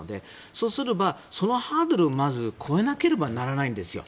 そうすればそのハードルを越えなければならないんですよ。